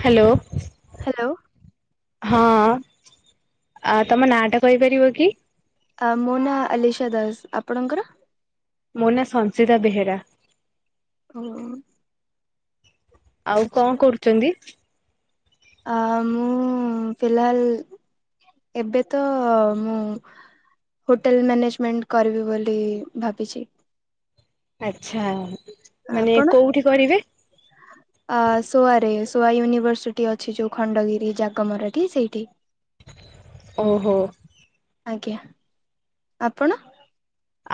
Hello. Hello. ହଁ ତମ ନାଁ ଟା କହିପାରିବ କି? ମୋ ନାଁ ଅଲିସା ଦାସ। ଆପଣଙ୍କର? ମୋ ନା ସଂସିତା ବେହେରା। ଓହୋ! ଆଉ କଣ କରୁଛନ୍ତି? ଆ ମୁଁ ଫିଲାଲ ଏବେ ତ ମୁଁ ହୋଟେଲ ମ୍ୟାନେଜମେଣ୍ଟ କରିବି ବୋଲି ଭାବିଛି। ଆଚ୍ଛା ମାନେ କୋଉଠି କରିବେ। ଅ ସୋଆ ରେ ସୋଆ ୟୁନିଭର୍ସିଟି ଅଛି ଯୋଉ ଖଣ୍ଡଗିରି ଜାଗମରାଟି ସେଇଠି। [inaudible] ଓହୋ ଆଜ୍ଞା ଆପଣ।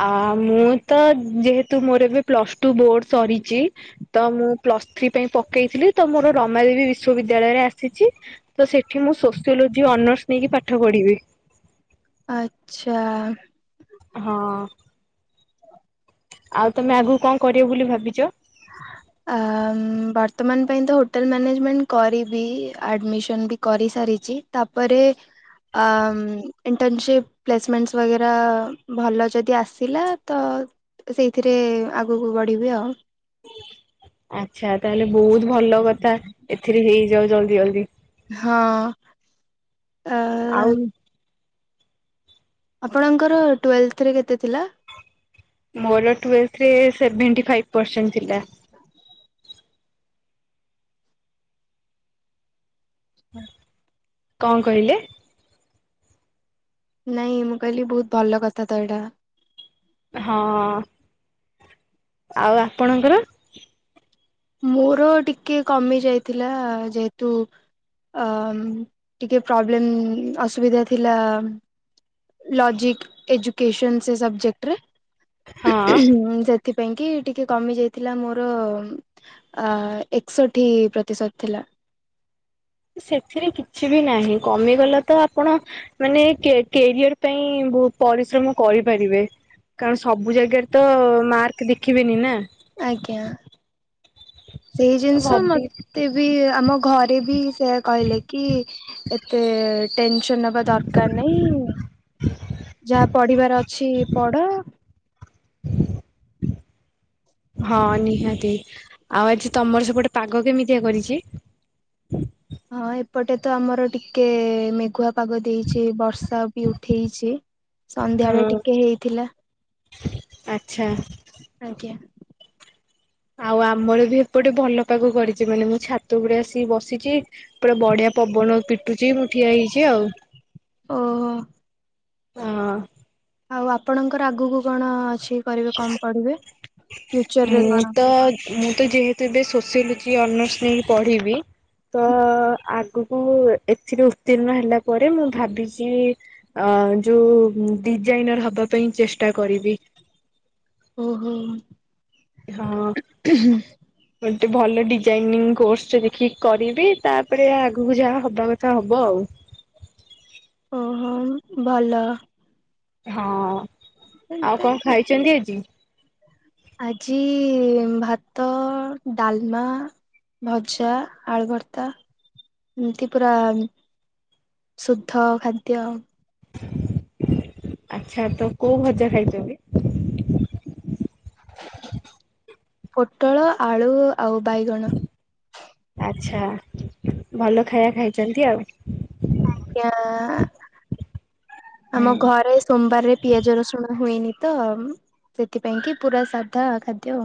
ଆ ମୁଁ ତ ଯେହେତୁ ମୋର ଏବେ ପ୍ଲସ ଟୁ ବୋର୍ଡ ସରିଛି। ତ ମୁଁ ପ୍ଲସ୍ ଥ୍ରୀ ପାଇଁ ପକେଇଥିଲି ତ ମୋର ରମାଦେବୀ ବିଶ୍ୱ ବିଦ୍ୟାଳୟରେ ଆସିଛି। ତ ସେଠି ମୁଁ ସୋସିଓଲୋଜି ଅନର୍ସ ନେଇକି ପାଠ ପଢ଼ିବି। ଆଚ୍ଛା। ହଁ ଆଉ ତମେ ଆଗକୁ କଣ କରିବ ବୋଲି ଭାବିଛ। ବର୍ତ୍ତମାନ ପାଇଁ ତ ହୋଟେଲ୍ ମ୍ୟାନେଜମେଣ୍ଟ କରିବି ଆଡ଼ମିସନ୍ ବି କରିସାରିଛି। ତାପରେ। ଇଣ୍ଟର୍ନସିପ୍ ପ୍ଲେସମେଣ୍ଟସ୍ ବଗେରା ଭଲ ଯଦି ଆସିଲା ତ। ସେଇଥିରେ ଆଗକୁ ବଢ଼ିବି ଆଉ। ଆଚ୍ଛା ତାହେଲେ ବହୁତ ଭଲ କଥା ଏଥିରେ ହେଇଯାଉ ଜଲ୍ଦି ଜଲଦି। ହଁ ଆ। ଆଉ ଆପଣଙ୍କର ଟୁଏଲ୍ଥରେ କେତେ ଥିଲା। ମୋର ଟଲରେ ସେଭେଣ୍ଟି ଫାଇପ ପରସେଣ୍ଟ ଥିଲା। ହୁଁ। କଣ କହିଲେ। ନାଇଁ ମୁଁ କହିଲି ବହୁତ ଭଲ କଥା ତ ଏଇଟା। ହଁ ଆଉ ଆପଣଙ୍କର। ମୋର ଟିକେ କମି ଯାଇଥିଲା ଯେହେତୁ। ଟିକେ ପ୍ରୋବ୍ଲେମ୍ ଅସୁବିଧା ଥିଲା। ଲଜିକ ଏଜୁକସନ ସେ ସବଜେକ୍ଟରେ ହଁ ସେଥିପାଇଁ କି ଟିକେ କମି ଯାଇଥିଲା ମୋର। ଅ ଏକଷଠି ପ୍ରତିଶତ ଥିଲା। ସେଥିରେ କିଛି ବି ନାହିଁ କମିଗଲା ତ ଆପଣ। ମାନେ କ୍ୟାରିଅର ପାଇଁ ପରିଶ୍ରମ କରିପାରିବେ। କାରଣ ସବୁ ଜାଗାରେ ତ ମାର୍କ ଦେଖିବେନି ନା। ଆଜ୍ଞା ସେଇ ତ ଜିନିଷ ଭାବି ମତେ ବି ଆମ। ଘରେ ବି ସେ କହିଲେ କି ଏତେ। ଟେନସନ ହବା ଦରକାର ନାହିଁ ଯାହା ପଢିବାର ଅଛି ପଢ। [inaudible] ହଁ ନିହାତି ଆଉ ଆଜି ତମର ସେପଟେ ପାଗ କେମିତିଆ କରିଛି। ହଁ ଏପଟେ ତ ଆମର ଟିକେ ମେଘୁଆ ପାଗ ଦେଇଛି। କିଛି ବର୍ଷା ବି ଉଠେଇଛି ସନ୍ଧ୍ୟାଳେ ହଁ ଟିକେ ହେଇଥିଲା। ଆଚ୍ଛା। ଆଜ୍ଞା। ଆଉ ଆମର ବି ଏପଟେ ଭଲ ପାଗ କରିଛି ମାନେ ମୁଁ ଛାତ ଗୁଡେ ଆସିକି ବସିଛି ପୁରା ବଢିଆ। ପବନ ପିଟୁଛି ମୁଁ ଠିଆ ହେଇଛି ଆଉ ଓହୋ ହଁ। ଆଉ ଆପଣଙ୍କର ଆଗକୁ କଣ ଅଛି କରିବେ କଣ ପଢିବେ? ଫ୍ୟୁଚର ରେ ମୁଁ କଣ? ତ ମୁଁ ତ ଯେହେତୁ ଏବେ ସୋସିଓଲୋଜି ଅନର୍ସ ନେଇକି ପଢିବି। ତ ଆଗକୁ ଏଥିରେ ଉତ୍ତୀର୍ଣ୍ଣ ହେଲା ପରେ ମୁଁ ଭାବିଛି। ଅ ଯୋଉ ଡିଜାଇନର ହବା ପାଇଁ ଚେଷ୍ଟା କରିବି। ଓହୋ। ହଁ। ଗୋଟେ ଭଲ ଡିଜାଇନିଂ କୋର୍ସ ଦେଖିକି କରିବି ତାପରେ ଆଗକୁ ଯାହା ହବା କଥା ହବ ଆଉ। ଓହୋ ଭଲ। ହଁ ଆଉ କଣ ଖାଇଛନ୍ତି ଆଜି। ଆଜି ଭାତ ଡାଲମା। ଭଜା ଆଳୁ ଭର୍ତ୍ତା ଏମିତି ପୁରା। ଶୁଦ୍ଧ ଖାଦ୍ୟ। ଆଛା ତ କୋଉ ଭଜା ଖାଇଛନ୍ତି। ପୋଟଳ ଆଳୁ। ଆଉ ବାଇଗଣ। ଆଚ୍ଛା ଭଲ ଖାଇବା ଖାଇଛନ୍ତି ଆଉ। ଆଜ୍ଞା ଆମ ଘରେ। ସୋମବାରରେ ପିଆଜ ରସୁଣ ହୁଏନି ତ ସେଥିପାଇଁ କିି ପୁରା ସାଧା ଖାଦ୍ୟ।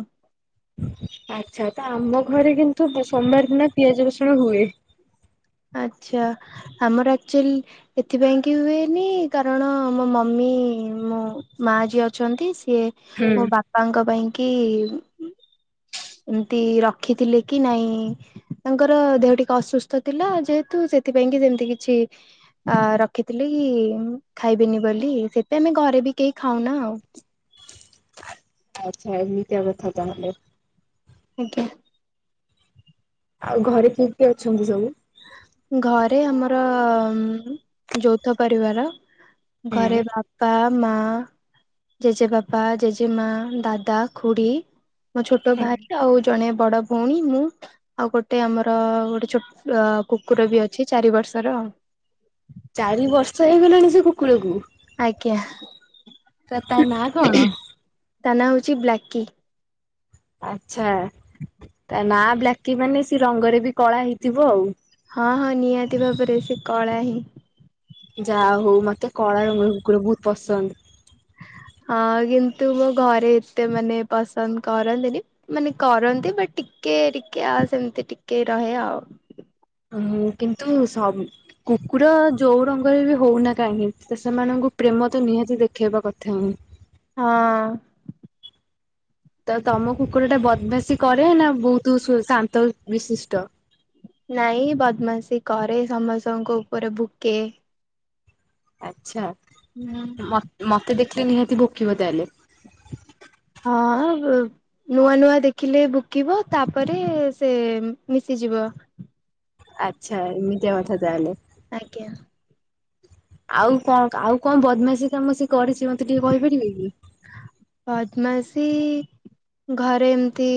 ଆଛା ତ ଆମ ଘରେ କିନ୍ତୁ ସୋମବାର ଦନ ପିଆଜ ରସୁଣ ହୁଏ। ଆଛା ଆମର ଆକ୍ଚୁଲ। ଏଥିପାଇଁ କି ହୁଏନି କାରଣ ମୋ ମମି ମୋ ମା ଯିଏ ଅଛନ୍ତି ସିଏ। ମୋ ବାପାଙ୍କ ପାଇଁ କି। ଏମିତି ରଖିଥିଲେ କି ନାଇଁ ତାଙ୍କର ଦେହ ଟିକେ ଅସୁସ୍ଥ। ଥିଲା ଯେହେତୁ ସେଥିପାଇଁ କି ସେମତି କିଛି। ଅ ରଖିଥିଲି ଖାଇବିନି ବୋଲି ସେଥି ଆମେ ଘରେ ବି କେହି ଖାଉନା ଆଉ। ଆଚ୍ଛା ଏମିତିଆ କଥା ତାହେଲେ। ଆଜ୍ଞା। ଆଉ ଘରେ କିଏ କିଏ ଅଛନ୍ତି ସବୁ? ଘରେ ଆମର ଯୌଥ ପରିବାର। ଘରେ ବାପା। ମା ଜେଜେ ବାପା ଜେଜେମା ଦାଦା ଖୁଡ଼ି। ମୋ ଛୋଟ ଭାଇ ଆଉ ଜଣେ ବଡ ଭଉଣୀ ମୁଁ ଆଉ ଗୋଟେ ଆମର ଗୋଟେ ଛୋଟ। କୁକୁର ବି ଅଛି ଚାରି ବର୍ଷର ଆଉ। ଚାରି ବର୍ଷ ହେଇଗଲାଣି ସେ କୁକୁରକୁ ଆଜ୍ଞା ତ ତା ନା କଣ। ତା ନାଁ ହଉଛି ବ୍ଲାକି। ଆଛା ତା ନା ବ୍ଲାକି ମାନେ ସେ ରଙ୍ଗରେ ବି କଳା ହେଇଥିବ ଆଉ। ହଁ ହଁ ନିହାତି ଭାବରେ ସେ କଳା ହିଁ। ଯାହା ହଉ ମତେ କଳା ରଙ୍ଗ କୁକୁର ବହୁତ ପସନ୍ଦ। ହଁ କିନ୍ତୁ ମୋ ଘରେ ଏତେ ମାନେ ପସନ୍ଦ କରନ୍ତିନି। ମାନେ କରନ୍ତି ବାଟ ଟିକେ ଟିକେ ଆ ସେମିତି ଟିକେ ରହେ ଆଉ। ଓ କିନ୍ତୁ ସବୁ। କୁକୁର ଯେଉ ରଙ୍ଗରେ ବି ହଉନା କାହିଁକି ତ ସେମାନଙ୍କୁ ପ୍ରେମ ତ ନିହାତି ଦେଖେଇବା କଥା ହଁ। ହଁ। ତ ତମ କୁକୁର ଟା ବଦମାସି କରେ ନା ବହୁତ ଶାନ୍ତ ବିଶିଷ୍ଟ। ନାଇଁ ବଦମାସି କରେ ସମସ୍ତଙ୍କ ଉପରେ ଭୁକେ। ଆଚ୍ଛା। ନା। ମୋ ମୋତେ ଦେଖିଲେ ନିହାତି ଭୋକିବ ତାହେଲେ। ହଁ ବ ନୂଆ ନୂଆ ଦେଖିଲେ ଭୁକିବ ତାପରେ ସେ ମିଶିଯିବ। ଆଚ୍ଛା ଏମିତିକା କଥା ତାହେଲେ। ଆଜ୍ଞା। ଆଉ କଣ ଆଉ କଣ ବଦମାସି କାମ ସିଏ କରିଛି ମୋତେ ଟିକେ କହିପାରିବେ କି? ବଦମାସି ଘରେ ଏମିତି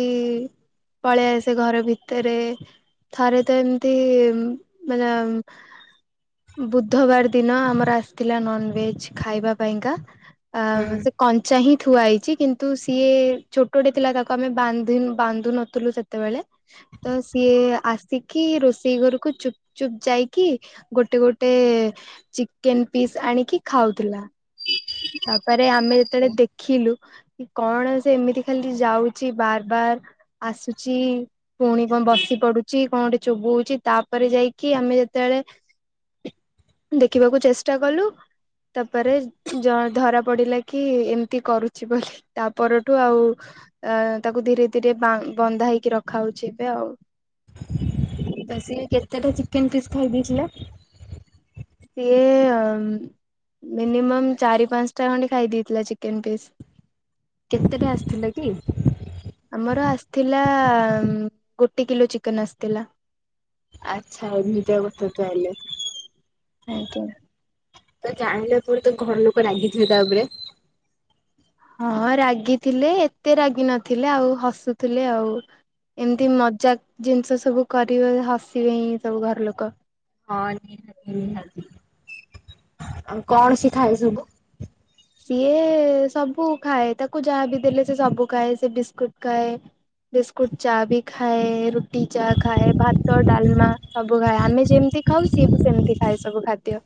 ପଳେଇ ଆସେ ଘର ଭିତରେ ଥରେ ତ ଏମିତି ମାନେ ବୁଧବାର ଦିନ ଆମର ଆସିଥିଲା ନନଭେଜ୍ ଖାଇବା ପାଇଁକା। ଆଉ ହୁଁ ସେ ଚାହିଁ ଥୁଆ ହେଇଛି କିନ୍ତୁ ସିଏ ଛୋଟଟେ ଥିଲା ତାକୁ ଆମେ ବାନ୍ଧିନୁ ବାନ୍ଧୁ ନଥୁଲୁ ସେତେବେଳେ। ତ ସିଏ ଆସିକି ରୋଷେଇ ଘରକୁ ଚୁପ୍ ଚୁପ୍ ଯାଇକି। ଗୋଟେ ଗୋଟେ ଚିକେନ୍ ପିସ୍ ଆଣିକି ଖାଉଥିଲା। ତାପରେ ଆମେ ଯେତେଳେ ଦେଖିଲୁ କି କଣ ସେ ଏମିତି ଖାଲି ଯାଉଛି ବାର ବାର। ଆସୁଛି ପୁଣି କଣ ବସି ପଡୁଚି କଣ ଗୋଟେ ଚୋବୁଉଚି ତାପରେ ଯାଇକି ଆମେ ଯେତେବେଳେ ଦେଖିବାକୁ ଚେଷ୍ଟା କଲୁ ତାପରେ ଜ- ଧରା ପଡିଲା କି ଏମିତି କରୁଛି ବୋଲି। ତା ପରଠୁ ଆଉ ଅ, ତାକୁ ଧୀରେ ଧୀରେ ବା ବନ୍ଧା ହେଇକି ରଖା ହଉଛି ଏବେ ଆଉ। ସିଏ କେତେଟା ଚିକେନ୍ ପିସ୍ ଖାଇ ଦେଇଥିଲା? ସିଏ ଅମ୍ ମିନିମମ୍ ଚାରି ପାନ୍ସଟା ଖଣ୍ଡେ ଖାଇ ଦେଇଥିଲା ଚିକେନ୍ ପିସ୍। କେତେଟା ଆସିଥିଲା କି? ଆମର ଆସିଥିଲା ଉଁ, ଗୋଟେ କିଲୋ ଚିକେନ୍ ଆସିଥିଲା। ଆଚ୍ଛା ଏମିତିଆ କଥା ତାହାଲେ। ଆଜ୍ଞା ତ ଜାଣିଲା ପରେ ତ ଘର ଲୋକ ରାଗିଥିବେ ତା ଉପରେ। ହଁ ରାଗି ଥିଲେ ଏତେ ରାଗି ନଥିଲେ ଆଉ ହସୁଥିଲେ ଆଉ। ଏମିତି ମଜାକ୍ ଜିନିଷ ସବୁ କରିବେ ହସିବେ ହିଁ ସବୁ ଘର ଲୋକ। ହଁ ନିହାତି, ନିହାତି, ଆଉ କଣ ସିଏ ଖାଏ ସବୁ? ସିଏ ସବୁ ଖାଏ, ତାକୁ ଯାହା ବିି ଦେଲେ ସେ ସବୁ ଖାଏ। ସେ ବିସ୍କୁଟ୍ ଖାଏ। ବିସ୍କୁଟ୍ ଚା ବି ଖାଏ। ରୁଟି ଚା ଖାଏ। ଭାତ ଡାଲମା ସବୁ ଖାଏ। ଆମେ ଯେମିତି ଖାଉ ସିଏ ବି ସେମିତି ଖାଏ ସବୁ ଖାଦ୍ୟ।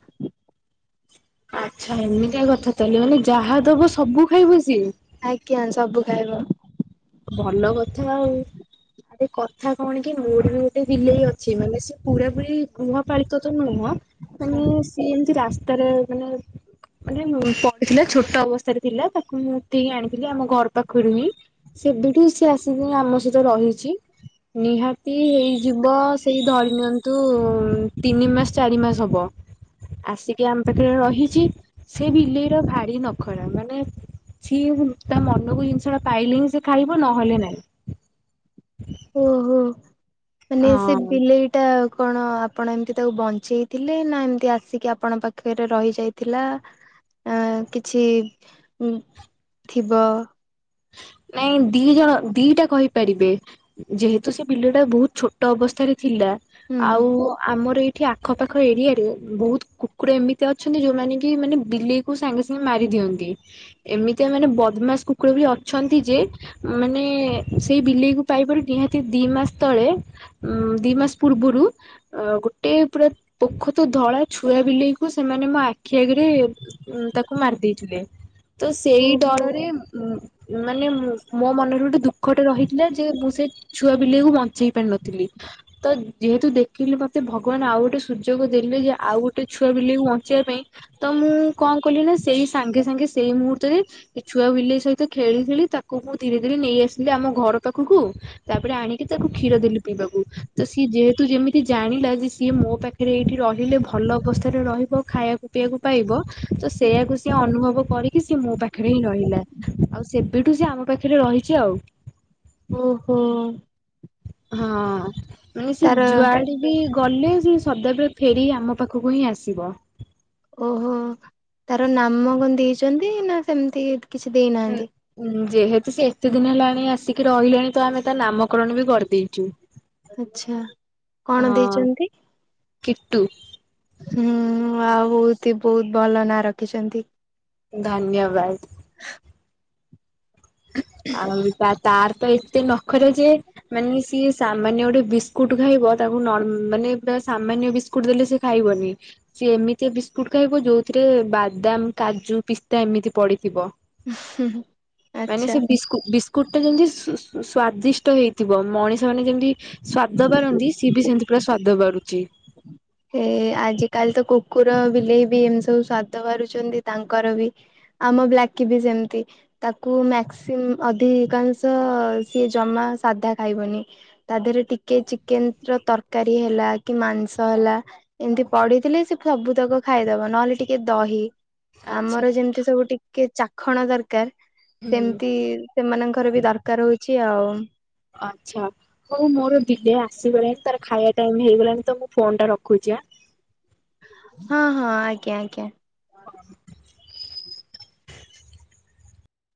ଆଚ୍ଛା ଏମିତିଆ କଥା ତାହେଲେ ମାନେ ଯାହା ଦବୁ ସବୁ ଖାଇବ ସିଏ। ଆଜ୍ଞା ସବୁ ଖାଇବ। ଭଲ କଥା ଆଉ। ଏ କଥା କଣ କି ମୋର ବି ଗୋଟେ ବିଲେଇ ଅଛି। ମାନେ ସେ ପୁରା ପୁରି ଗୁହ ପାଳିତ ତ ନୁହଁ ମାନେ ସିଏ ଏମିତି ରାସ୍ତାରେ ମାନେ ମାନେ ମୁଁ ପଡିଥିଲା ଛୋଟ ଅବସ୍ଥାରେ ଥିଲା ତାକୁ ମୁଁ ଉଠେଇକି ଆଣିଥିଲି ଆମ ଘର ପାଖରୁ ହିଁ। ସେବେଠୁ ସିଏ ଆସିକି ଆମ ସହିତ ରହିଛି। ନିହାତି ହେଇଯିବ ସେଇ ଧରି ନିଅନ୍ତୁ ତିନି ମାସ ଚାରି ମାସ ହବ। ଆସିକି ଆମ ପାଖରେ ରହିଛି। ସେ ବିଲେଇ ର ଭାରି ନଖରା। ମାନେ ଛି [unintelligible] ତା ମନକୁ ଜିନିଷ ଟା ପାଇଲେ ହିଁ ସିଏ ଖାଇବ ନହେଲେ ନାଇଁ। ଓହୋ! ମାନେ ସେ ହଁ ବିଲେଇ ଟା କଣ ଆପଣ ଏମତି ତାକୁ ବଞ୍ଚେଇଥିଲେ, ନା ଏମିତି ଆସିକି ଆପଣ ପାଖରେ ରହିଯାଇଥିଲା? ଆ, କିଛି ଉଁ, ଥିବ। ନାଇଁ ଦି ଜଣ ଦିଟା କହିପାରିବେ, ଯେହେତୁ ସେ ବିଲେଇ ଟା ବହୁତ ଛୋଟ ଅବସ୍ଥାରେ ଥିଲା। ହୁଁ ଆଉ ଆମର ଏଇ ଏଠି ଆଖପାଖ ଏରିଆ ରେ ବହୁତ କୁକୁର ଏମିତି ଅଛନ୍ତି ଯୋଉମାନେ କି ମାନେ ବିଲେଇ ସାଙ୍ଗେ ସାଙ୍ଗେ ମାରି ଦିଅନ୍ତି ଏମିତି ମାନେ ବଦମାସ କୁକୁର ବି ଛନ୍ତି ଯେ ମାନେ ସେଇ ବିଲେଇକୁ ପାଇପାରୁ ନିହାତି ଦି ମାସ ତଳେ ଉଁ ଦି ମାସ ପୂର୍ବରୁ ଅ ଗୋଟେଏ ପୁରା ପୋଃଖତ ଧଳା ଛୁଆ ବିଲେଇକୁ ସେମାନେ ମୋ ଆଖି ଆଗରେ ଉଁ ତାକୁ ମାରି ଦେଇେଇଥିଲେ ତ ସେଇ ଓହୋ ଡରରେ ଉ ମାନେ ମୋ ମନରେ ଗୋଟେ ଦୁଃଖଟେ ରହିଥିଲା ଯେ ମୁଁ ସେ ଛୁଆ ବିଲେଇକୁ ବଞ୍ଚେଇ ପାରିନଥିଲି। ତ ଯେହେତୁ ଦେଖିଲି ମୋତେ ଭଗବାନ ଆଉ ଗୋଟେ ସୁଯୋଗ ଦେଲେ ଯେ ଆଉ ଗୋଟେ ଛୁଆ ବିଲାକୁ ବଞ୍ଚିବା ପାଇଁ ତ ମୁଁ କଣ କଲି ନା ସେଇ ସାଙ୍ଗେ ସାଙ୍ଗେ ସେଇ ମୁହୂର୍ତ୍ତରେ ଛୁଆ ବିଲେଇ ସହିତ ଖେଳି ଖେଳି ତାକୁ ମୁଁ ଧୀରେ ଧୀରେ ନେଇ ଆସିଲି ଆମ ଘର ପାଖକୁ ତାପରେ ଆଣିକି ତାକୁ କ୍ଷୀର ଦେଲୁ ପିଇବାକୁ। ତ ସିଏ ଯେହେତୁ ଯେମିତି ଜାଣିଲା ଯେ ସିଏ ମୋ ପାଖରେ ଏଇଠି ରହିଲେ ଭଲ ଅବସ୍ଥାରେ ରହିବ ଖାଇବାକୁ ଖାଇବାକୁ ପାଇବ ତ ସେଇୟଆକୁ ସିଏ ଅନୁଭବ କରିକି ସିଏ ମୋ ପାଖରେ ହିଁ ରହିଲା ଆଉ। ସେବେଠୁ ସେ ଆମ ପାଖରେ ରହିଛି ଆଉ। ଓ ହୋ। ହଁ ମାନେ ସେ ଯୁଆଡେ ଗଲେ ସେ ସଦାବେଳେ ଫେରି ଆମ ପାଖକୁ ହିଁ ଆସିବ। ଓହୋ ତାର ନାମ କଣ ଦେଇଛନ୍ତି ନା ସେମିତି କିଛି ଦେଇନାହାନ୍ତି? ଁ ଯେହେତୁ ସେ ଏତେ ଦିନ ହେଲାଣି ଆସିକି ରହିଲେଣି ତ ଆମେ ତା ନାମକରଣ ବି କରିଦେଇଛୁ। ଆଛା କଣ ହଁ ଦେଇଛନ୍ତି? କିଟୁ। ହୁଁ ଆଉ ହଉ ବହୁତ ଭଲ ନାଁ ରଖିଛନ୍ତି। ଧନ୍ୟବାଦ। ଆଉ ତା ତାର ତ ଏତେ ନଖରା ଯେ ମାନେ ସିଏ ସାମାନ୍ୟ ଗୋଟେ ବିସ୍କୁଟ ଖାଇବ ତାକୁ ମାନେ ସାମାନ୍ୟ ବିସ୍କୁ ସ୍କୁ ଦେଲେ ସେ ଖାଇବନି। ସି ଏମିତି ବିସ୍କୁଟ ଖାଇବ ଯୋଉଁ ଥିରେ ବାଦାମ କାଜୁ ପିସ୍ତା ଏମିତି ପଡିଥିବ। ଉହୁ ମାନେ ଆଛା। ସେ ବିସ୍କୁ ବିସ୍କୁଟା ଯେମିତି ସ୍ଵ ସ୍ଵାଦିଷ୍ଟ ହେଇଥିବ ମଣିଷ ମାନେ ଯେମିତି ସ୍ଵାଦ ବାରନ୍ତି ସିଏ ବି ସେମିତି ପୁରା ସ୍ଵାଦ ବାରୁଛି। ଏ ଏ ଆଜିକାଲି ତ କୁକୁର ବିଲେଇ ବି ଏମିତି ସବୁ ସ୍ଵାଦ କରାରୁଛନ୍ତି ତାଙ୍କର ବି ଆମ ବ୍ଲାକି ବି ସେମିତି। ତାକୁ ମକ୍ସି ଅଧିକାଂଶ ସିଏ ଜମା ସାଧା ଖାଇବନି। ତା ଦେହରେ ଟିକେ ଚିକେନ ର ତରକାରୀ ହେଲା କି ମାଂସ ହେଲା। ଏମିତି ପଡିିଥିଲେ ସେ ସବୁ ତକ ଖାଇଦବ ନହେଲେ ଟିକେ ଦହି। ଆଚ୍ଛା ଆମର ଯେମିତି ସବୁ ଟିକେ ଚାଖଣ ଦରକାର ହୁଁ ସେମିତି ସେମାନଙ୍କର ବି ଦରକାର ହଉଛି ଆଉ। ଆଚଛା। ହଉ ମୋର ବିଲେ ଆସିଗଲାଣି ତାର ଖାଇବା ଟାଇମି ହେଇଗଲାଣି ତ ମୁଁ ଫୋନ ଟା ରଖୁଛି। ହଁ ହଁ ଆଜ୍ଞା ଆଜ୍ଞା। ହଁ।